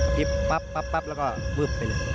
กระพริบปั๊บแล้วก็วึบไปเลย